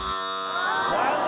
残念。